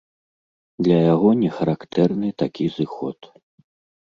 Для яго не характэрны такі зыход.